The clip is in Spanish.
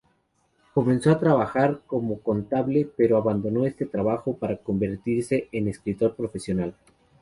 Comenzó a trabajar como contable, pero abandonó este trabajo para convertirse en escritor profesional.